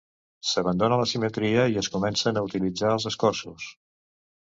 S’abandona la simetria i es comencen a utilitzar els escorços.